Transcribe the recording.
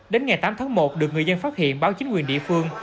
đến ngày tám tháng một được người dân phát hiện báo chính quyền địa phương